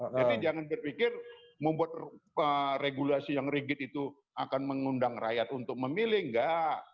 jadi jangan berpikir membuat regulasi yang rigid itu akan mengundang rakyat untuk memilih enggak